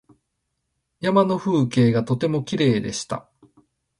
山の風景がとてもきれいでした。